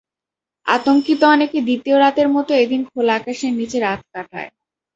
আতঙ্কিত অনেকে দ্বিতীয় রাতের মতো এদিন খোলা আকাশের নিচে রাত কাটায়।